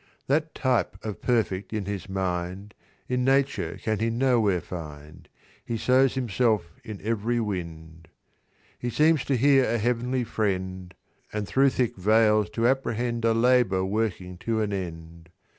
"That type of Perfect in his mind In Nature can he nowhere find. He sows himself in every wind. "He seems to hear a Heavenly Friend, And thro' thick veils to apprehend A labour working to an end.